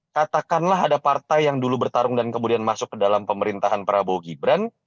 katakanlah ada partai yang dulu bertarung dan kemudian masuk ke dalam pemerintahan prabowo gibran